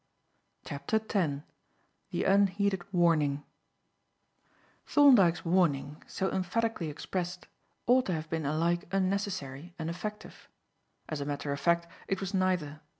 CHAPTER X THE UNHEEDED WARNING THOBNDYKE'S warning, so emphatically expressed, ought to have been alike unnecessary and effective. As a matter of fact, it was neither.